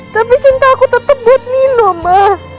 tapi cinta aku tetap buat nino ma